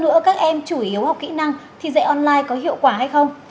nữa các em chủ yếu học kỹ năng thì dạy online có hiệu quả hay không